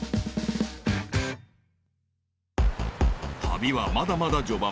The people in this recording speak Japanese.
［旅はまだまだ序盤］